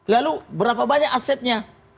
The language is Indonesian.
lalu berapa banyak asetnya